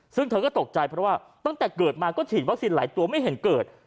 ซึ่งเธอก็ตกใจเพราะว่าตั้งแต่เกิดมาก็ฉีดวัคซีนหลายตัวไม่เห็นเกิด